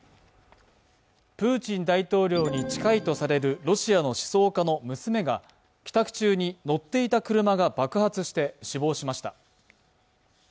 プーチン大統領に近いとされるロシアの思想家の娘が帰宅中に乗っていた車が爆発して死亡しました。